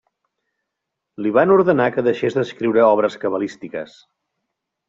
Li van ordenar que deixés d'escriure obres cabalístiques.